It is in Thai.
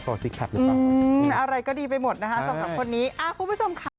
โลกเปลี่ยนเจ้าปรับครับผม